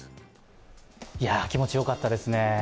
いや、気持ちよかったですね。